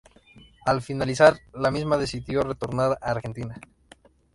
Al finalizar la misma decidió retornar a Argentina.